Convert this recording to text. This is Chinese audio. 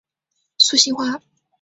素兴花